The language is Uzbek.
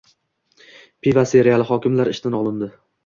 Pivo seriyali hokimlar ishdan olindi